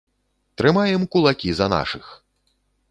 Трымаем кулакі за нашых!